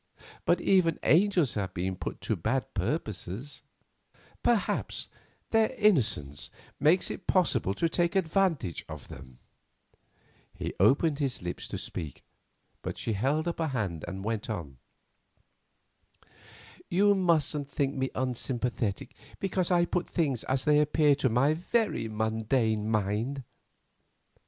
But even angels have been put to bad purposes; perhaps their innocence makes it possible to take advantage of them——" He opened his lips to speak, but she held up her hand and went on: "You mustn't think me unsympathetic because I put things as they appear to my very mundane mind.